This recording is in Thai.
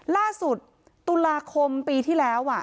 ล่าสุดตุลาคมปีที่แล้ว